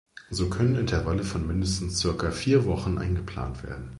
So können Intervalle von mindestens circa vier Wochen eingeplant werden.